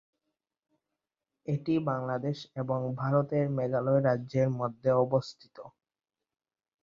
এটি বাংলাদেশ এবং ভারতের মেঘালয় রাজ্যের মধ্যে অবস্থিত।